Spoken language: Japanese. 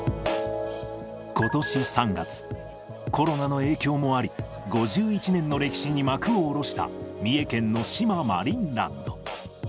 ことし３月、コロナの影響もあり、５１年の歴史に幕を下ろした三重県の志摩マリンランド。